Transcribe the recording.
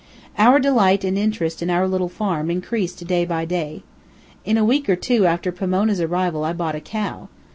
Our delight and interest in our little farm increased day by day. In a week or two after Pomona's arrival I bought a cow.